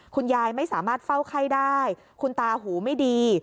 คุณยายไม่สามารถเฝ้าไข้ได้คุณตาหูไม่ดี